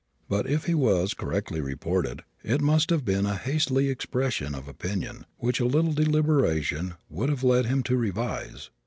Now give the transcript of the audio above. But if he was correctly reported it must have been a hasty expression of opinion which a little deliberation would have led him to revise.